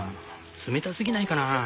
冷たすぎないかな？